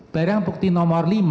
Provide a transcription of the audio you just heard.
barang bukti nomor lima